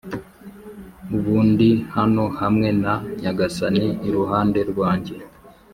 ubu ndi hano hamwe na nyagasani iruhande rwanjye